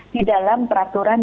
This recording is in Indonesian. di dalam peraturan